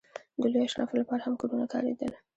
د لویو اشرافو لپاره هم کورونه کارېدل.